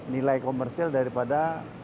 nilai komersial daripada